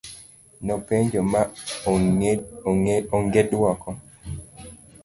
Nopenjo ma ong'e duoko.